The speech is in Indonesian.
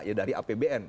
ya dari apbn